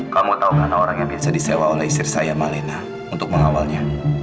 kamu tahu karena orang yang biasa disewa oleh istri saya malena untuk mengawalnya